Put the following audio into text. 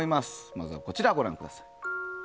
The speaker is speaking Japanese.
まずは、こちらご覧ください。